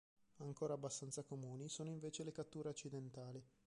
Ancora abbastanza comuni sono invece le catture accidentali.